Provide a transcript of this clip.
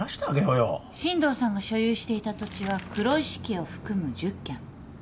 進藤さんが所有していた土地は黒丑家を含む１０軒。